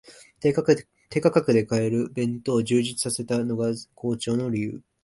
低価格で買える弁当を充実させたのが好調の理由